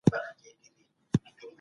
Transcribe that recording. که نجونې حسابدارې وي نو تاوان به نه وي.